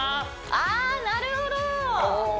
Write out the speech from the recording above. あなるほど